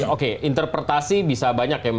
oke interpretasi bisa banyak ya